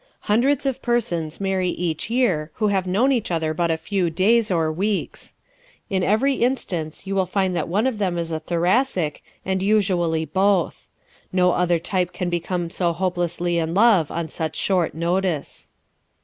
¶ Hundreds of persons marry each year who have known each other but a few days or weeks. In every instance you will find that one of them is a Thoracic and usually both. No other type can become so hopelessly in love on such short notice.